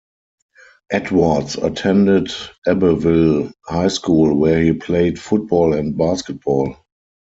Edwards attended Abbeville High School, where he played football and basketball.